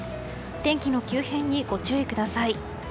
天気の急変にご注意ください。